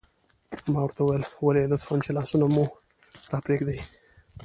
ما ورته وویل: ولې؟ لطفاً، چې لاسونه مې را پرېږدي.